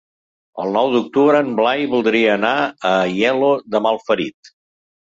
El nou d'octubre en Blai voldria anar a Aielo de Malferit.